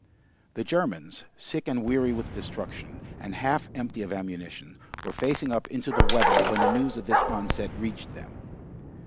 The Germans, sick and weary with destruction, and half empty of ammunition, were facing up into the weather when the news of this onset reached them.